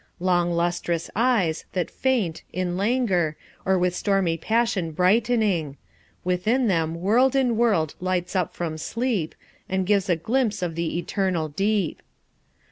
long lustrous eyes, that faint In languor, or with stormy passion brightening: Within them world in world lights up from sleep, And gives a glimpse of the eternal deep.